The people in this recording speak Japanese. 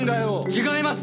違います！